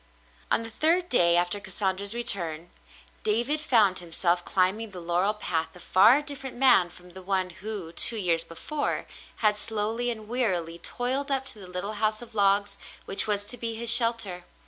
On the third day after Cassandra's return, David found himself climbing the laurel path a far different man from the one who, two years before, had slowly and wearily toiled up to the little house of logs which was to be his shelter.